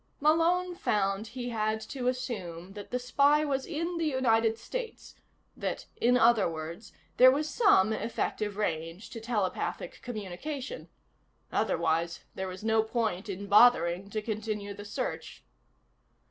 Malone found he had to assume that the spy was in the United States that, in other words, there was some effective range to telepathic communication. Otherwise, there was no point in bothering to continue the search.